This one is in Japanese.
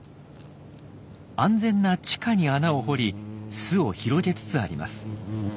安全な地下に穴を掘り巣を広げつつあります。